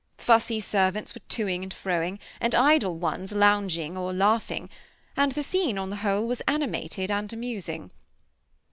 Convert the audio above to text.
Fussy servants were to ing and fro ing, and idle ones lounging or laughing, and the scene, on the whole, was animated and amusing.